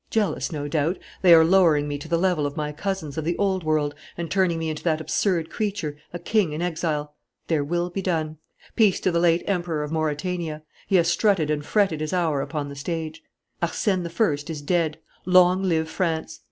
Jealous, no doubt, they are lowering me to the level of my cousins of the old world and turning me into that absurd creature, a king in exile. Their will be done! Peace to the late Emperor of Mauretania. He has strutted and fretted his hour upon the stage. "Arsène I is dead: long live France!